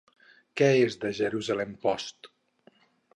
Què és The Jerusalem Post?